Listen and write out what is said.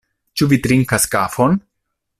Ĉu vi trinkas kafon?